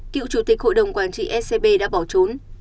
cựu chủ tịch hội đồng quản trị scb đã bỏ trốn